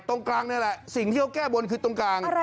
ตรงกลางนี่แหละสิ่งที่เขาแก้บนคือตรงกลาง